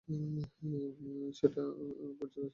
সেটা এখনো বোঝা যাচ্ছে।